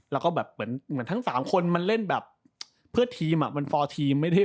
แล้วก็แบบเหมือนทั้ง๓คนมันเล่นแบบเพื่อทีมมันฟอร์ทีม